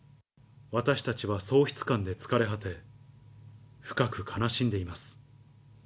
私たちは喪失感で疲れ果て深く悲しんでいます。